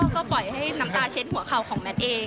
ก็ปล่อยให้น้ำตาเช็ดหัวเข่าของแมทเอง